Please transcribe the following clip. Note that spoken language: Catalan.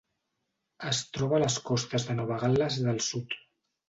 Es troba a les costes de Nova Gal·les del Sud.